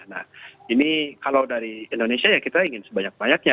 nah ini kalau dari indonesia ya kita ingin sebanyak banyaknya